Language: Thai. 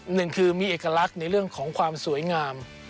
หนึ่งคือมีเอกลักษณ์ในเรื่องของความสวยงาม